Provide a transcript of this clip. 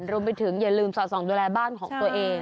รวมไปถึงอย่าลืมส่อส่องดูแลบ้านของตัวเอง